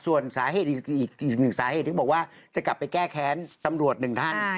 ส่วนสาเหตุอีกหนึ่งสาเหตุที่บอกว่าจะกลับไปแก้แค้นตำรวจหนึ่งท่าน